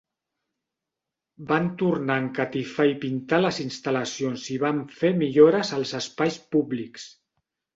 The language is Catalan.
Van tornar a encatifar i pintar les instal·lacions i van fer millores als espais públics.